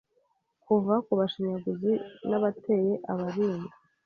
Kuva kubashinyaguzi n'abateye, abarinda